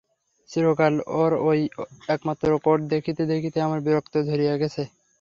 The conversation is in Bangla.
চিরকাল ওর ঐ একমাত্র কোট দেখিতে দেখিতে আমার বিরক্ত ধরিয়া গেছে।